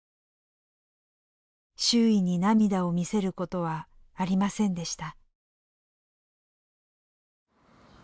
周囲に涙を見せることはありませんでした。